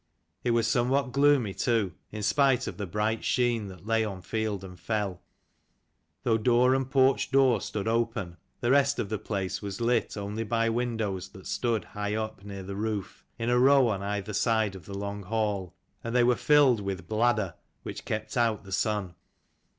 It was somewhat gloomy too, in spite of the bright sheen that lay on field and fell. Though door and porch door stood open, the rest of the place was lit only by windows that stood high up near the roof, in a row on either side of the long hall : and they were filled with bladder, which kept out the sun.